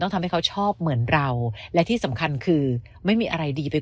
ทำให้เขาชอบเหมือนเราและที่สำคัญคือไม่มีอะไรดีไป